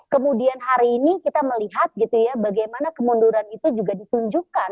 kemudian hari ini kita melihat bagaimana kemunduran itu juga disuntikkan